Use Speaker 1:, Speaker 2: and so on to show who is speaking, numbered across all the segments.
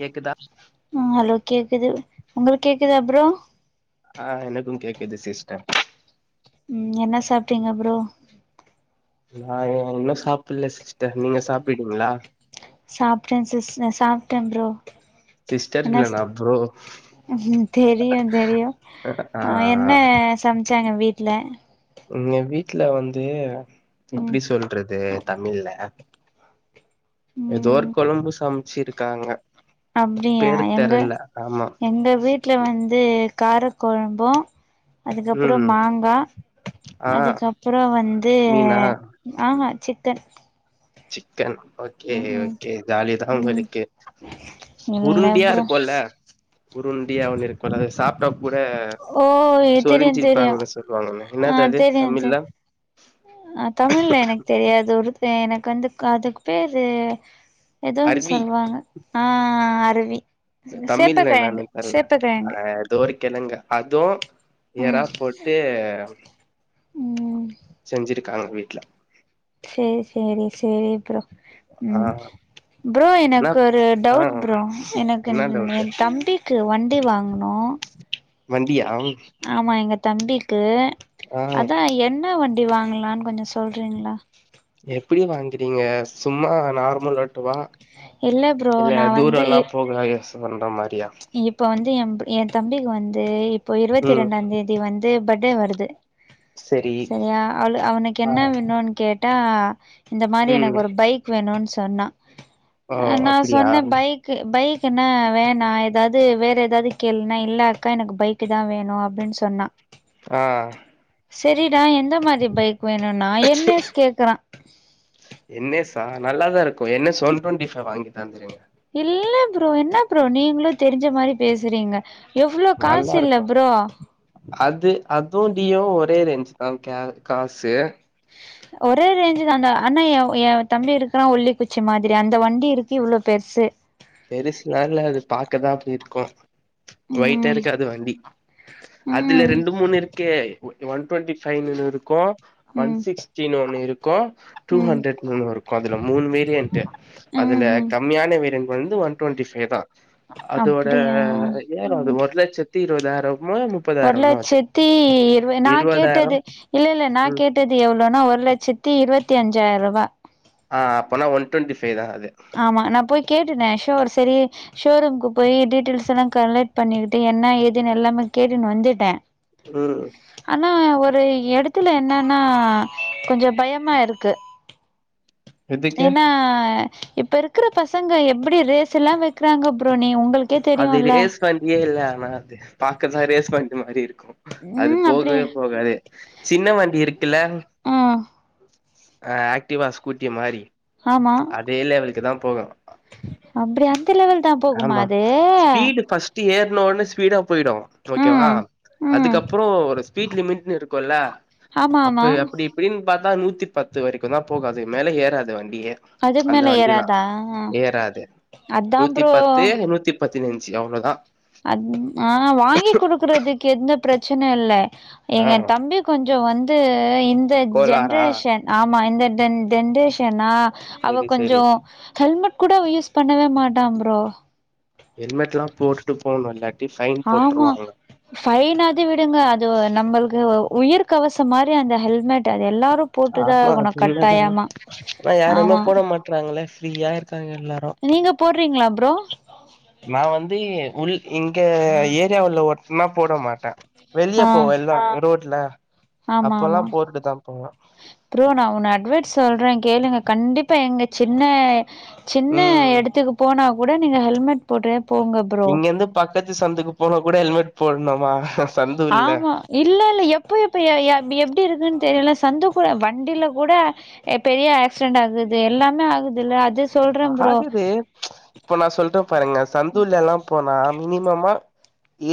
Speaker 1: கேக்குதா
Speaker 2: அ ஹலோ கேக்குது உங்களுக் கேக்குதா ப்ரோ
Speaker 1: ஆ எனக்கும் கேக்குது சிஸ்டர்
Speaker 2: ம் என்ன சாப்ட்டீங்க ப்ரோ
Speaker 1: நா இன்னு சாப்பல்ல சிஸ்டர் நீங்க சாப்பிடிங்களா
Speaker 2: சாப்ட்ட சிஸ் சாப்ட்ட ப்ரோ
Speaker 1: சிஸ்டர்
Speaker 2: என்ன
Speaker 1: இல்ல நா ப்ரோ
Speaker 2: ம் தெரியு தெரியு
Speaker 1: ஆ
Speaker 2: அ என்ன சமச்சாங்க வீட்ல
Speaker 1: எங்க வீட்ல வந்து
Speaker 2: ம்
Speaker 1: எப்டி சொல்றது தமிழ்ல ஏதோ ஒரு
Speaker 2: ம்
Speaker 1: கொழம்பு சமச்சிருக்காங்க
Speaker 2: அப்டியா எங்க
Speaker 1: ஆமா
Speaker 2: எங்க வீட்ல வந்து கார கொழம்பு அதுக்கப்புறோ
Speaker 1: ம்
Speaker 2: மாங்கா
Speaker 1: ஆ
Speaker 2: அதுக்கப்புறோ வந்து
Speaker 1: மீனா
Speaker 2: ஆஹா சிக்கன்
Speaker 1: சிக்கன் ஓகே
Speaker 2: ம் ம்
Speaker 1: ஓகே ஜாலிதா
Speaker 2: ம்
Speaker 1: உங்களுக்கு
Speaker 2: இல்ல
Speaker 1: உருண்டியா
Speaker 2: ப்ரோ
Speaker 1: இருக்குல்ல உருண்டிய ஒன்னு இருக்கோல அத சாப் இப்ப கூட
Speaker 2: ஓ தெரியு தெரியு
Speaker 1: சோரிஞ்சிருப்பாங்கன்னு சொல்லுவாங்கன்னு என்னது
Speaker 2: ஆ
Speaker 1: அது
Speaker 2: தெரியு
Speaker 1: தமிழ்
Speaker 2: தெ
Speaker 1: ல
Speaker 2: ஆ தமிழ்ல எனக்கு தெரியாது ஒரு எனக்கு வந்து அதுக்கு பேரு ஏதோ ஒண்ணு
Speaker 1: அர்வி
Speaker 2: சொல்லுவாங்க ஆஹ் அருவி
Speaker 1: தமிழ்ல
Speaker 2: சேப்பக்கிழங்கு
Speaker 1: என்னானு தெர்ல
Speaker 2: சேப்பக்கிழங்கு
Speaker 1: எதோ ஒரு கிழங்க அதுவும் ஏற போட்டு
Speaker 2: ம்ம்
Speaker 1: செஞ்சிருக்காங்க வீட்டுல
Speaker 2: சேர் சேரி ப்ரோ
Speaker 1: ஆ
Speaker 2: ப்ரோ
Speaker 1: என்னா
Speaker 2: எனக்கு
Speaker 1: ஆ
Speaker 2: டவுட் ப்ரோ எனக்கு
Speaker 1: என்னா
Speaker 2: எய
Speaker 1: டவுட்டு
Speaker 2: தம்பி க்கு வண்டி வாங்கணும்
Speaker 1: வண்டியா
Speaker 2: ஆமா எங்க தம்பிக்கு
Speaker 1: ஆ
Speaker 2: அதா என்ன வண்டி வாங்கலான்னு கொஞ்ச சொல்றீங்களா
Speaker 1: எப்டி வாங்கறீங்க சும்மா நார்மல் ஒட்டவா
Speaker 2: இல்ல ப்ரோ
Speaker 1: இல்ல
Speaker 2: நா
Speaker 1: தூர எல்லா
Speaker 2: வந்து
Speaker 1: போக யச பண்ற அந்த மாதிரியா
Speaker 2: இப்ப வந்து எய எய தம்பிக்கு வந்து இப்போ இருபத்தி
Speaker 1: ம்
Speaker 2: இரண்டா தேதி வந்து பர்த்டே வருது
Speaker 1: செரி
Speaker 2: சரியா அவள் அவனுக்கு
Speaker 1: ஆ
Speaker 2: என்ன வேணும்ன்னு கேட்டா இந்த மாதிரி
Speaker 1: ம்
Speaker 2: எனக்கு ஒரு பைக் வேணும்னு சொன்னா
Speaker 1: ஓ
Speaker 2: நா
Speaker 1: அப்டியா
Speaker 2: சொன்ன பைக் பைக்ன வேணா ஏதாவது வேற ஏதாவது கேள்னா இல்ல அக்கா பைக்கு தா வேணு அப்டின்னு சொன்னா
Speaker 1: ஆ
Speaker 2: சரிடா எந்த மாதிரி பைக் வேணும்னா என்னய கேக்குறா
Speaker 1: என் யஸ்ஸா நல்லாதா இருக்கும் என் எஸ் ஒன் டுவெண்டி ஃபை வாங்கி தந்துருங்க
Speaker 2: இல்ல ப்ரோ என்ன ப்ரோ நீங்களும் தெரிஞ்ச மாதிரி பேசுறீங்க எவ்ளோ
Speaker 1: நல்லா
Speaker 2: காசு இல்ல
Speaker 1: இருக்கு
Speaker 2: ப்ரோ
Speaker 1: அது அதுவு டியோவும் ஒரே ரெஞ்சு தா காசு
Speaker 2: ஒரே ரேஞ்சு தா அந்த ஆனா எய எய தம்பி இருக்குறா ஒல்லிக்குச்சி மாதிரி அந்த வண்டி இருக்கு இவளோ பெருசு
Speaker 1: பெருசுலா இல்ல அது பாக்கதா அப்டி இருக்கும் ஒயிட்டா
Speaker 2: ம்
Speaker 1: இருக்காது வண்டி அதுல
Speaker 2: ம்
Speaker 1: ரெண்டு மூணு இருக்கு ஒன் டுவெண்டி வு இருக்கும் ஒன்
Speaker 2: ம்
Speaker 1: சிக்ஸ்டனு ஒன்னு இருக்கும் டூ
Speaker 2: ம்
Speaker 1: ஹண்ட்ரட் இ இருக்கும் அதுல மூணு வேரியன்ட்
Speaker 2: ம்
Speaker 1: அதுல
Speaker 2: ம்
Speaker 1: கம்மியான வேரியன்ட் வந்து ஒன் டுவெண்ட்டி ஃபைவ தா அதோட
Speaker 2: அப்டியா
Speaker 1: ஏறம் அது
Speaker 2: ம்
Speaker 1: ஒரு லட்சத்தி இருபதாயிரம்
Speaker 2: ஒரு லட்சத்தி இருது நா
Speaker 1: இருவதாயிரோ
Speaker 2: கேட்டது இல்ல இல்ல நா கேட்டு நா
Speaker 1: ம்
Speaker 2: கேட்டது எவ்வளோனா ஒரு லட்சத்தி இருபத்தி அஞ்சாயிர ரூபா
Speaker 1: ஆ அப்பனா ஒன் டுவெண்டி ஃபைவ தா அது
Speaker 2: ஆமா நா போய் கேட்ட ஷோ ஒரு சரி ஷோரூம்கு போய் டீடெயில்ஸ் எல்லாம் கலெக்ட் பண்ணிட்டு என்ன ஏதுன்னு எல்லாமே கேட்டுன்னு வந்துட்ட
Speaker 1: ம்
Speaker 2: ஆனா ஒரு எடத்துல என்னன்னா கொஞ்ச பயமா இருக்கு
Speaker 1: எதுக்கு
Speaker 2: ஏன்னா இப்ப இருக்கிற பசங்க எப்டி ரேஸ் எல்லா வைக்கிறாங்க ப்ரோ நீ உங்களு
Speaker 1: அது ரேஸ் வண்டியே இல்ல ஆனா அது பாக்கதா ரேஸ் வண்டி மாதிரி இருக்கும் அது
Speaker 2: ம் அப்டியா
Speaker 1: போகவே போகாது சின்ன வண்டி இருக்குல்ல
Speaker 2: ம்
Speaker 1: ஆஹ் ஆக்டிவா ஸ்கூட்டிய மாறி‌
Speaker 2: ஆமா
Speaker 1: அதே லெவலுக்கு தா போகும்
Speaker 2: அப்டி அந்த லெவல் தா போகுமா அது
Speaker 1: ட்டி ஏற்னோன ஃஸ்பீடா போய்டு ஓகேவா
Speaker 2: ம் ம்
Speaker 1: அதுக்கப்பறோ ஒரு ஸ்பீட் லிமிட்னு இருக்குல்ல
Speaker 2: ஆமா ஆமா
Speaker 1: அப்ப எப்படி இப்டின் பாத்தா நூத்தி பத்து வரைக்கு தா போகாது மேலே ஏறாது வண்டியே
Speaker 2: அதுக்கு
Speaker 1: அந்த
Speaker 2: மேல
Speaker 1: வண்டிலா
Speaker 2: ஏறாதா
Speaker 1: ஏறாது
Speaker 2: அதாம்
Speaker 1: நூத்தி
Speaker 2: ஃப்ரோ
Speaker 1: பத்து நூத்தி பதினைஞ்சி அவ்ளோதா
Speaker 2: அத் ஆ வாங்கி குடுக்குறதுக்கு எந்த பிரச்சனை இல்ல
Speaker 1: ஆ
Speaker 2: எங்க தம்பி கொஞ்சொ வந்து இந்த
Speaker 1: கோலாரா
Speaker 2: ஜென்ரேஷன் ஆமா இந்த ஜென்ரேஷனா அவ
Speaker 1: செரி செரி
Speaker 2: கொஞ்சோ ஹெல்மெட் கூட யூஸ் பண்ணவே மாட்டா ஃப்ரோ
Speaker 1: ஹெல்மெட்ல்லாம் போட்டுட்டு போணுல்ல
Speaker 2: ஆமா ஃபைனாது விடுங்க அது நம்மள்க்கு உயிர் கவசம் மாறி அந்த ஹெல்மெட் அது எல்லாரும்
Speaker 1: [unintelligible] ஆ யாருமே
Speaker 2: ஆமா
Speaker 1: போட மாட்றாங்களே ஃப்ரீயா இருக்காங்க எல்லாரு
Speaker 2: நீங்க போட்றீங்ளா ஃப்ரோ
Speaker 1: நா வந்து உள் இங்க ஏரியாவுள்ள ஒட்னா போட மாட்ட வெளிய
Speaker 2: ஆ
Speaker 1: போவல்ல ரோட்ல அப்பல்லாம் போட்டுட்டு தா போவே
Speaker 2: ஃப்ரோ நா உன்ன அட்வைஸ் சொல்றேன் கேளுங்க கண்டிப்பா எங்க சின்ன சின்ன
Speaker 1: ம்
Speaker 2: எடத்துக்கு போனா கூட நீங்க ஹெல்மெட் போடுன் போங்க ப்ரோ
Speaker 1: இங்க இருந்து பக்கத்து சந்தக்கு போனா கூட ஹெல்மெட் போட்ணமா
Speaker 2: ஆமா இல்ல இல்ல எப்போ எ எப்டி இருக்குன்னு தெரியுல்ல சந்தக்கூட வண்டில கூட எப் பெரிய ஆக்சிடெண்ட் ஆகுது எல்லாமே ஆகுது இல்ல அட்ஜெஸ்
Speaker 1: ஆகுது இப்போ நா சொல்றேன் பாருங்க சந்துல்லல்லா போனா மினிமமா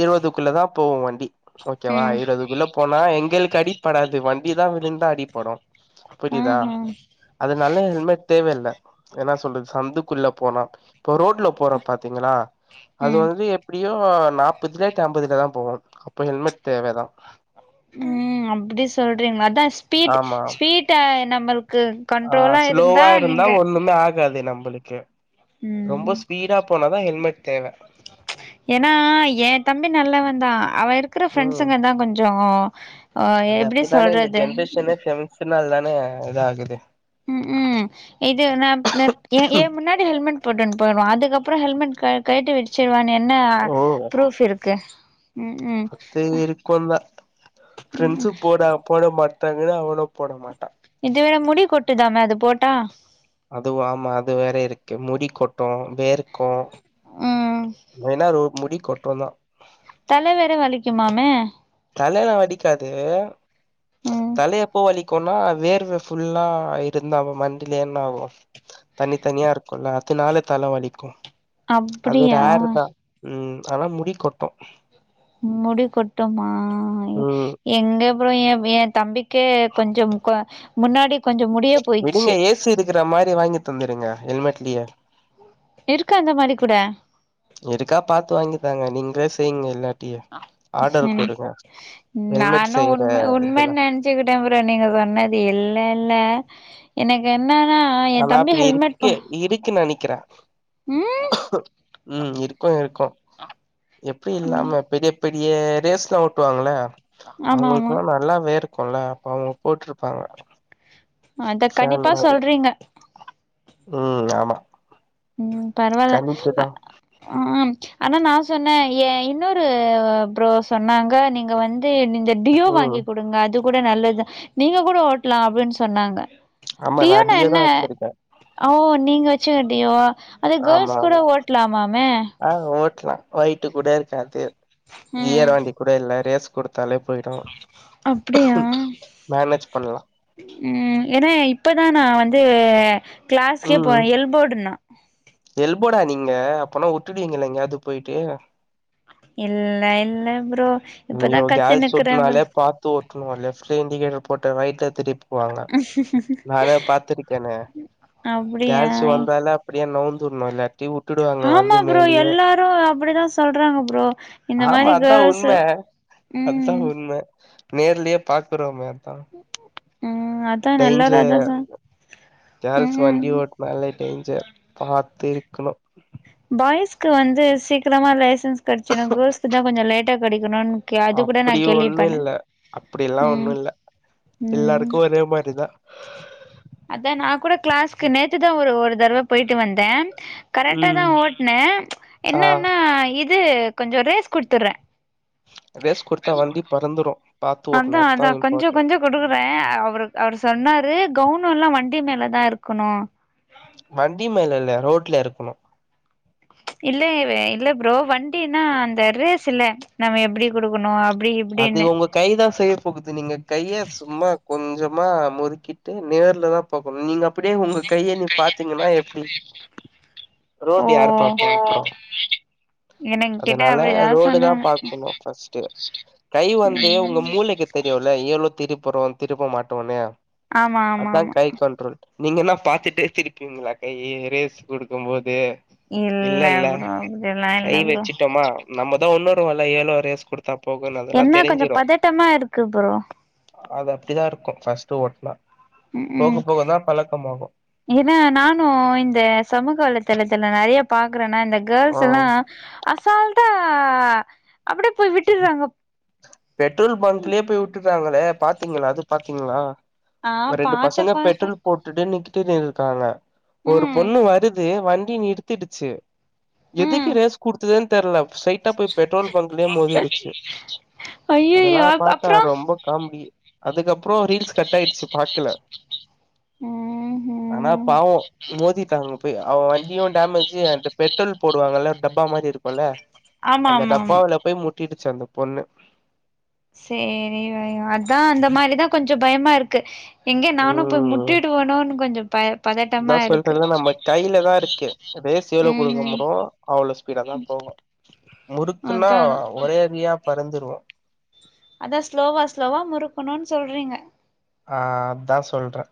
Speaker 1: இருவதுக்குள்ள தா போவு வண்டி ஓகேவா
Speaker 2: ம்
Speaker 1: இருவதுக்குள்ள போனா எங்களுக்கு அடிப்படாது வண்டிதா விழுந்தா அடிப்படு புரியுதா
Speaker 2: ஆஹா
Speaker 1: அதனால ஹெல்மெட் தேவல்ல ஏன்னா சொல்றது சந்து குள்ள போனா இப்ப ரோட்ல போற பாத்தீங்களா அது
Speaker 2: ம்
Speaker 1: வந்து எப் எப்டியோ நாப்பதுலேட்டு அம்பதுலதா போவோ அப்போ ஹெல்மெட் தேவதா
Speaker 2: ம் அப்டி சொல்றீங்ளா அதா ஸ்பீட்
Speaker 1: ஆமா
Speaker 2: ஸ்பீட்டா நம்மள்க்கு
Speaker 1: ஆ ஸ்லோவா இருந்தா ஒண்ணுமே ஆகாது நம்பளுக்கு
Speaker 2: ம்
Speaker 1: ரொம்ப ஸ்பீடா போனாதா ஹெல்மெட் தேவ
Speaker 2: ஏன்னா என் தம்பி நல்லவந்தா அவ இரு இருக்கற
Speaker 1: ம்
Speaker 2: ஃப்ரெண்ட்ஸுங்க தா கொஞ்சோ எப்டி சொல்றது
Speaker 1: சின்னால் தான இது ஆகுது
Speaker 2: ம் ம் இது நா ஏ முன்னாடி ஹெல்மெட் போட்டுனு போய்டுவா அதுக்கப்புறோ ஹெல்மெட் கழுட் கழட்டி வச்சிருவான்னு என்ன ப்ரூஃப் இருக்கு ம் ம்
Speaker 1: மத்த
Speaker 2: அ
Speaker 1: இருக்கூ தா
Speaker 2: ம் ம்.
Speaker 1: ஃபிரெண்ட்ஸ் போடா போட மாட்டாங்கன்னு அவனும் போட மாட்டா
Speaker 2: இதுவேற முடி கொட்டுதாமே அது போட்டா
Speaker 1: அதுவு ஆமா அது வேற இருக்கு முடி கொட்டு வேருக் கு
Speaker 2: ம்
Speaker 1: மெய்னா முடி கொட்டோந்தா
Speaker 2: தல வேற வலிக்குமாமே
Speaker 1: தலைலா வலிக்காது
Speaker 2: ம்
Speaker 1: தல எப்போ வலிக் குனா வேர்வே ஃபுல்லா இருந்தா மண்டில என்னா ஆவு தண்ணி தண்ணியா இருக்குல்ல அதுனால தல வலிக்கூ அது ஒரு
Speaker 2: அப்டியா?
Speaker 1: ஹேரு தா ம் ஆனா முடி கொட்டு
Speaker 2: முடி கொட்டுமா
Speaker 1: ம்
Speaker 2: எங்க ப்ரோ என் என் தம்பி கே கொஞ்ச ஆ முன்னாடி கொஞ்ச
Speaker 1: விடுங்க ஏசி இருக்கிற மாறி வாங்கி தந்துடுங்க ஹெல்மெட்லயே
Speaker 2: இருக்கா அந்த மாறி கூட
Speaker 1: இருக்கா பாத்து வாங்கி தாங்க நீங்களே செய்யுங்க இல்லா
Speaker 2: ம்
Speaker 1: ஹெல்மெட்
Speaker 2: நானு
Speaker 1: செய்யற
Speaker 2: உண்ம உண்மை
Speaker 1: இதெல்லா
Speaker 2: நெனச் ச்சுகிட்ட ப்ரோ நீங்க சொன்னது இல்ல இல்ல எனக் என்னன்னா என்
Speaker 1: ஆனா
Speaker 2: தம்பி
Speaker 1: அப்படி
Speaker 2: ஹெல்மெட்
Speaker 1: இருக்கு இருக்கு நெனைக்கிறே
Speaker 2: ம்
Speaker 1: ம் இருக்கு இருக்கு எப்டி
Speaker 2: ம்
Speaker 1: இல்லாம பெரிய இப்படியே ரேஸ்ல ஓட்டு வாங்கள
Speaker 2: ஆமா ஆமா
Speaker 1: அவுங்களுக்கான நல்லா வேர்க் குல்ல அப்ப அவுங்க போட்டுருப்பாங்க
Speaker 2: அத கண்டிப்பா சொல்றீங்க
Speaker 1: ம் ஆமா
Speaker 2: ம் பரவால்ல ஆ
Speaker 1: கணிப்புதா
Speaker 2: ஆ ஆனா நா சொன்னே என் இன்னொரு ப்ரோ சொன்னாங்க நீங்க வந்து இந்த டியோ
Speaker 1: ம்
Speaker 2: வாங்கி குடுங்க அது கூட நல்லது தா நீங்க கூட ஓட்டலா அப்புடின்னு சொன்னாங்க
Speaker 1: ஆமா நா
Speaker 2: டியோனா
Speaker 1: டியோதா
Speaker 2: என்ன
Speaker 1: வச்சிருக்கே
Speaker 2: ஓ நீங்க வச்சுங்க டியோ வா அது
Speaker 1: ஆமா
Speaker 2: கேள்ஸ் கூட
Speaker 1: ஆமா
Speaker 2: ஓட்லாமாமே
Speaker 1: ஆ ஓட்டலா வேயிட்டு கூட இருக்காது
Speaker 2: ம்
Speaker 1: கியர்வண்டி கூட இல்ல ரேஸ் குடுத்தாலே போயிடு
Speaker 2: அப்டியா
Speaker 1: மேனேஜ் பண்ணலா
Speaker 2: ம் ஏன்னா இப்பதா நா வந்து கிளாஸ்கே
Speaker 1: ம்
Speaker 2: போறே எல் போடு நா
Speaker 1: எல்போடா நீங்க அப்போனா விட்டுடுவீங்க எங்கயாது போயிட்டு
Speaker 2: இல்ல இல்ல ப்ரோ இப்பதா
Speaker 1: ஐயோ கேள்ஸ்
Speaker 2: கத்துனுக்குறே ப்ரோ
Speaker 1: ஓட்னாலே பாத்து ஓட்டணு லெஃப்ட்ல இண்டிகேட்டர் போட்டு ரைட்ல திருப்பி போ வாங்க நானே பாத்துருக்கேனே கேள்ஸ்
Speaker 2: அப்டியா
Speaker 1: வந்தாலே அப்டியே நவுந்துணு இல்லாட்டி விட்டுடுவாங்க
Speaker 2: ஆமா
Speaker 1: வந்து மேலயே
Speaker 2: எல்லாரு ப்ரோ அப்டிதா சொல்றாங்க ப்ரோ இந்த
Speaker 1: ஆமா
Speaker 2: மாரி
Speaker 1: அதா உண்ம
Speaker 2: கேர்ள்ஸு
Speaker 1: அதா
Speaker 2: ம்
Speaker 1: உண்ம நேர்லே பாக்குறோமே அதா
Speaker 2: ம் அதா நா எல்லாரு
Speaker 1: டேஞ்சர்
Speaker 2: அததா ம்
Speaker 1: நல்ல டேஞ்சர் பாத்து இருக்கணு
Speaker 2: பாய்ஸ்க்கு வந்து சீக்கிரமா லைசன்ஸ் கேடச்சுடு கேள்ஸ்க்கு தா கொஞ்ச லேட்டா கெடைக்கணுனு அது கூட நா
Speaker 1: அப்படி
Speaker 2: கேள்வி
Speaker 1: ஒண்ணு
Speaker 2: பண்ணே
Speaker 1: இல்ல அப்படில்லா
Speaker 2: ம்
Speaker 1: ஒண்ணு இல்ல
Speaker 2: ம்
Speaker 1: எல்லாருக்கு ஒரே மாறி தா
Speaker 2: அதா நா கூட கிளாஸ்க்கு நேத்துதா ஒரு ஒரு தடவ போயிட்டு வந்தே கரெக்டா தா
Speaker 1: ம்
Speaker 2: ஓட்டனே
Speaker 1: ஆ
Speaker 2: என்னன்னா இது கொஞ்ச ரேஸ் குடுத்துடுறே
Speaker 1: ரேஸ் குடுத்தா வண்டி பறந்துரு பாத்து ஓட்டுனு அதா இம்பார்ட்டன்ட்
Speaker 2: குடுக்குறே அவரு அவர் சொன்னாரு கவுனம் எல்லா வண்டி மேலதா இருக்கனு
Speaker 1: வண்டி மேல இல்ல ரோட்ல இருக்கணு
Speaker 2: இல்ல வே இல்ல ப்ரோ வண்டினா அந்த ரேஸ் இல்ல நாம எப்டி கொடுக்கணு அப்டி
Speaker 1: அது
Speaker 2: இப்டினு
Speaker 1: உங்க கை தா செய்ய போகுது நீங்க கையை சும்மா கொஞ்சமா முறுக்கிட்டு நேர்ல தா போகணு நீங்க அப்புடியே உங்க கைய நீ பாத்தீங்கன்னா எப்டி
Speaker 2: ஓ
Speaker 1: ரோடு யார் பாப்போ
Speaker 2: எனங் கிட்ட
Speaker 1: அதனால
Speaker 2: அப்டிதா
Speaker 1: ரோடு தா
Speaker 2: சொன்னாங்க
Speaker 1: பாக் சொல்வோம் ஃபர்ஸ்ட்டு கை வந்து ஒங்க
Speaker 2: ம்
Speaker 1: மூளைக்கு தெரியும்ல எவ்ளோ திருப்புறோ திருப்ப மாட்டோனு
Speaker 2: ஆமா ஆமா
Speaker 1: அதா
Speaker 2: ஆமா
Speaker 1: கை கண்ட்ரோல் நீங்க என்னா பாத்துட்டே திருப்புவீங்களா கைய ரேஸ் குடுக்கு போது
Speaker 2: இல்ல
Speaker 1: இல்லல்ல
Speaker 2: ப்ரோ அப்டில்லா
Speaker 1: கை
Speaker 2: இல்ல ப்ரோ
Speaker 1: வச்சுட்டோமா நம்மதா ஒன்னொருவல எவ்ளோ ரைஸ் குடுத் தா போகுனாங்க அதெல்லா
Speaker 2: என்ன கொஞ்சோ
Speaker 1: தெரிஞ்சிரு
Speaker 2: பதட்டமா இருக்கு ப்ரோ
Speaker 1: அது அப்டிதா இருக்கு ஃபர்ஸ்ட்டு ஒட்டுனா
Speaker 2: ம் ம் ஏன்னா நானு இந்த சமூக வலைதளத்துல நெறையா பாக்குறேன்னா இந்த
Speaker 1: ஆ
Speaker 2: கேர்ள்ஸ் எல்லா அசால்ட்டா அப்டியே போய் விட்டுர்றாங்க
Speaker 1: பெட்ரோல் பங்க்லேயே போய் வுட்டுறாங்களே பாத்தீங்களா அது பாத்தீங்களா
Speaker 2: ஆ
Speaker 1: ஒரு ரெண்டு
Speaker 2: பாத்தே
Speaker 1: பசங்க
Speaker 2: பாத்தே
Speaker 1: பெட்ரோல் போட்டுட்டு நிக்கிட்டு இருக்காங்க ஒரு
Speaker 2: ம்
Speaker 1: பொண்ணு வருது வண்டி நிறுத்திடுச்சு எதுக்கு
Speaker 2: ம்
Speaker 1: ரேஸ் குடுத்ததேனு தெர்ல ஸ்ட்ரெயிட்டா போய் பெட்ரோல் பங்க்லயே மோதிடுச்சு அதெல்லா
Speaker 2: ஐயையோ
Speaker 1: பாத்தா
Speaker 2: அப்றோ
Speaker 1: ரொம்ப காமெடி அதுக்கப்புறோ ரீல்ஸ் கட் ஆயிடுச்சு பாக்கல
Speaker 2: ம்
Speaker 1: ஆனா
Speaker 2: ம்
Speaker 1: பாத் போ மோதிட்டாங்க போய் அவ வண்டியு டேமேஜு அந்த பெட்ரோல் போடுவாங்கல்ல ஒரு டப்பா மாரி இருக்குல்ல
Speaker 2: ஆமா
Speaker 1: அந்த
Speaker 2: ஆமா ஆமா
Speaker 1: டப்பாவுல போய் முட்டிடுச்சு அந்த பொண்ணு
Speaker 2: சேரி வய அதா அந்த மாதிரிதா கொஞ்சோ பயமா இருக்கு எங்க நானு போய்
Speaker 1: ம்
Speaker 2: முட்டிடுவேனோன்னு கொஞ்சோ பய பதட்டமா இருக்கு
Speaker 1: இதாருக்கு ரேஸ்ஷூ எவ்ளோ
Speaker 2: ம் ம்
Speaker 1: குடுக்கோமோ அவ்ளோ ஸ்பீடா தா போகு முறுக்குனா
Speaker 2: அதா அதா
Speaker 1: ஒரே அடியா பறந்துருவோ
Speaker 2: அதா ஸ்லோவா ஸ்லோவா முறுக்கணுனு சொல்றீங்க
Speaker 1: ஆ அதா சொல்றே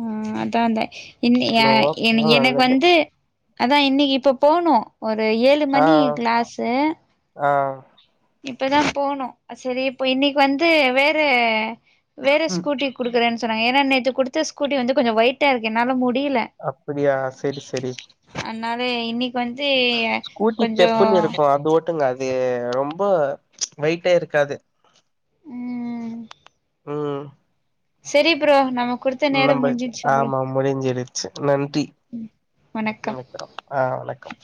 Speaker 2: ஆ அதா அந்த இன்ன எ
Speaker 1: ஸ்லோவா போனா
Speaker 2: எனக் எனக்கு
Speaker 1: நல்லது
Speaker 2: வந்து அதா இன்னைக்கி இப்ப போனு ஒரு ஏழு
Speaker 1: ஆ
Speaker 2: மணி கிளாசு
Speaker 1: ஆ
Speaker 2: இப்பதா போனு சரி இப்போ இன்னைக்கி வந்து வேற வேற
Speaker 1: ம்
Speaker 2: ஸ்கூட்டி குடுக்குறேனு சொன்னாங்க ஏனா நேத்து குடுத்த ஸ்கூட்டி வந்து கொஞ்சோ ஒயிட்டா இருக்கு என்னால முடில
Speaker 1: அப்டியா செரி செரி
Speaker 2: அதனால இன்னைக்கி வந்து கொஞ்சோ
Speaker 1: வுட்டுங்க அது ரொம்ப வெயிட்டே இருக்காது
Speaker 2: ம்
Speaker 1: ம்
Speaker 2: செரி ப்ரோ நமக் குடுத்த நேரம்
Speaker 1: நம்ப
Speaker 2: முடிஞ்சிருச்சு ப்ரோ
Speaker 1: ஆமா முடிஞ்சிருச்சு நன்றி
Speaker 2: வணக்கம்
Speaker 1: வைக்கிறோ ஆ வணக்கம்